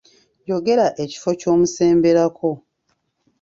Yogera ekifo ky'omusemberako.